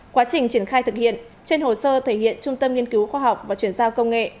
quá trình triển khai thực hiện trên hồ sơ thể hiện trung tâm nghiên cứu khoa học và chuyển giao công nghệ